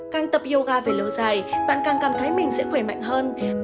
càng tập yoga về lâu dài bạn càng cảm thấy mình sẽ khỏe mạnh hơn